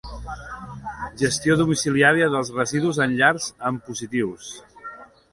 Gestió domiciliària dels residus en llars amb positius.